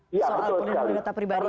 soal pernyataan pribadi ini